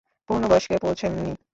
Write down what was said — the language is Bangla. পূর্ণ বয়স্কে পৌঁছেননি।